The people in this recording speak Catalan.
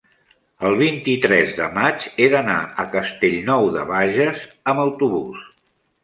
el vint-i-tres de maig he d'anar a Castellnou de Bages amb autobús.